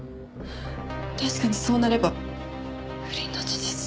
確かにそうなれば不倫の事実も。